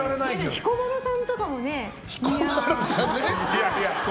彦摩呂さんとかもね。